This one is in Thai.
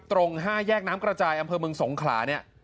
ตรง๕แยกน้ำกระจายอำเภอเมืองสงขลาเนี่ย